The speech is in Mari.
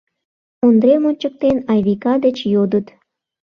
— Ондрем ончыктен, Айвика деч йодыт.